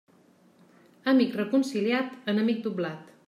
Amic reconciliat, enemic doblat.